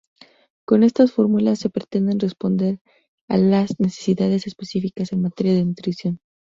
Con estas fórmulas se pretende responder a las necesidades específicas en materia de nutrición.